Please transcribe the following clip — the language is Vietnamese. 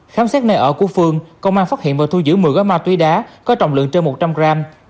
khám xét nơi ở của phương công an phát hiện và thu giữ một mươi gói ma túy đá có trọng lượng trên một trăm linh gram